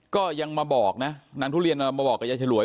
ก็ยังมาบอกนะนางทุเรียนมาบอกกับยายฉลวย